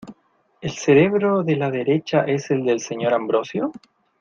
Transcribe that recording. ¿El cerebro de la derecha es el del señor Ambrosio?